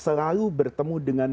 selalu bertemu dengan